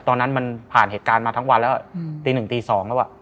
ตอนนั้นมันผ่านเหตุการณ์มาทั้งวันแล้วตีหนึ่งตี๒แล้ว